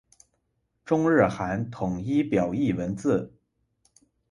中日韩统一表意文字。